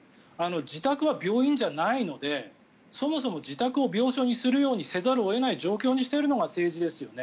自宅は病院じゃないのでそもそも自宅を病床にせざるを得ない状況にしているのが政治ですよね。